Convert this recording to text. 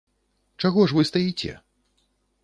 Чаго ж вы стаіце?